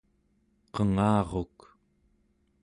qengaruk